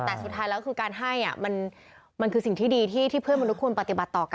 แต่สุดท้ายแล้วคือการให้มันคือสิ่งที่ดีที่เพื่อนมนุษย์ปฏิบัติต่อกัน